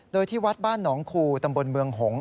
โดยที่วัดบ้านหนองคูตำบลเมืองหงษ